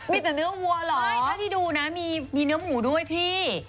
มีแต่เนื้อวัวเหรอใช่เท่าที่ดูนะมีเนื้อหมูด้วยพี่